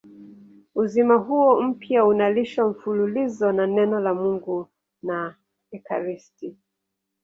Uzima huo mpya unalishwa mfululizo na Neno la Mungu na ekaristi.